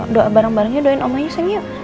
kita doa bareng barengnya doain omanya sanggup